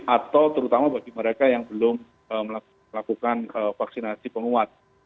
atau terutama bagi mereka yang belum melakukan vaksinasi penguat